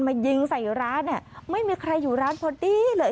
มายิงใส่ร้านเนี่ยไม่มีใครอยู่ร้านพอดีเลย